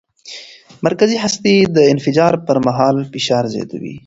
مرکزي هستي د انفجار پر مهال فشار زیاتوي.